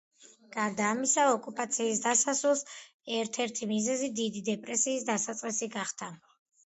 გარდა ამისა, ოკუპაციის დასასრულის ერთ–ერთი მიზეზი დიდი დეპრესიის დასაწყისი გახდა.